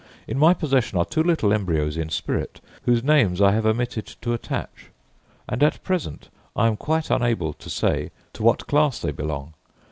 In my possession are two little embryos in spirit, whose names I have omitted to attach, and at present I am quite unable to say to what class they belong.